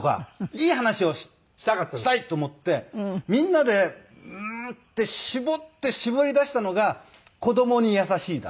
いい話をしたいと思ってみんなでうーんって絞って絞り出したのが子供に優しいだけ。